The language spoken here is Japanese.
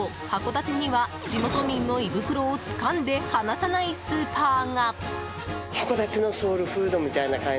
函館には地元民の胃袋をつかんで離さないスーパーが！